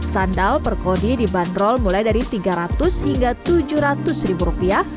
sandal per kodi dibanderol mulai dari tiga ratus hingga tujuh ratus ribu rupiah